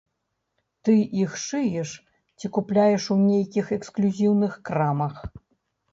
Ты іх шыеш ці купляеш у нейкіх эксклюзіўных крамах?